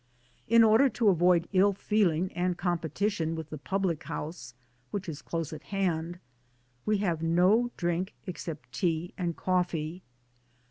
In order to avoid ill feeling and competition with the public house which is close at hand we have no drink, except tea and coffee.